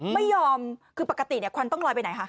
ไม่ยอมคือปกติควันต้องลอยไปไหนคะ